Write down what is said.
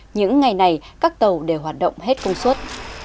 những ngày này các tàu đều hoạt động hết công suất